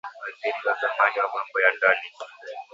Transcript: waziri wa zamani wa mambo ya ndani